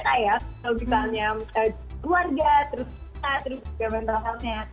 kalau misalnya keluarga terus cinta terus mental healthnya